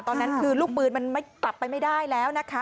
ตอนนั้นคือลูกปืนมันกลับไปไม่ได้แล้วนะคะ